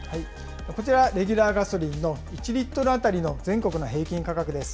こちら、レギュラーガソリンの１リットル当たりの全国の平均価格です。